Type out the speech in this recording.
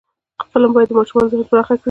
فلم باید د ماشومانو ذهن پراخ کړي